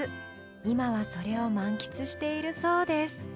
今はそれを満喫しているそうです